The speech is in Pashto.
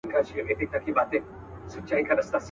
هره ورځ به وو دهقان ته پټ په غار کي.